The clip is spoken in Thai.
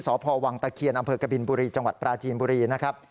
สพวังตะเคียนอำเภอกบินบุรีจังหวัดปราจีนบุรีนะครับ